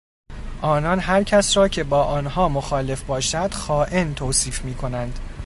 آنان هرکس را که با آنها مخالف باشد خائن توصیف میکنند.